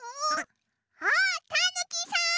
あったぬきさん！